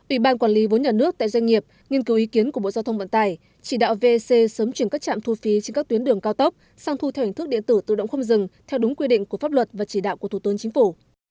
ủy ban quản lý vốn nhà nước tại doanh nghiệp nghiên cứu ý kiến của bộ giao thông vận tải chỉ đạo vec sớm chuyển các trạm thu phí trên các tuyến đường cao tốc sang thu theo hình thức điện tử tự động không dừng theo đúng quy định của pháp luật và chỉ đạo của thủ tướng chính phủ